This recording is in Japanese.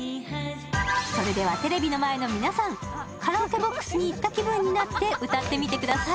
それではテレビの前の皆さんカラオケボックスに行った気分になって歌ってみてください。